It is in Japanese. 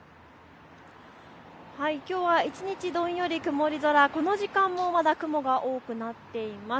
きょうは一日どんより曇り空、この時間もまだ雲が多くなっています。